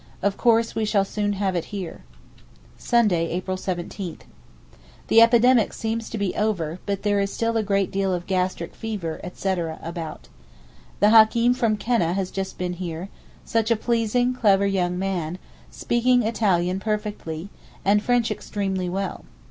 Of course we shall soon have it here. Sunday, April 17.—The epidemic seems to be over, but there is still a great deal of gastric fever, etc., about. The hakeem from Keneh has just been here—such a pleasing, clever young man, speaking Italian perfectly, and French extremely well.